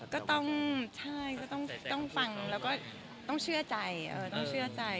ก็ต้องใช่ก็ต้องฟังแล้วก็ต้องเชื่อใจต้องเชื่อใจ